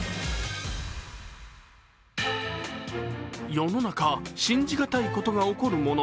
世の中、信じがたいことが起こるもの。